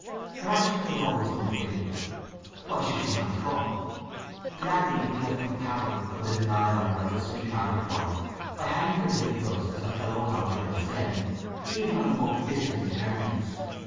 Her actions were always unpredictable: why should she not come? Gladly would he have compounded for the denial of her as a sweetheart and wife by having her live thus as a fellow lodger and friend, even on the most distant terms.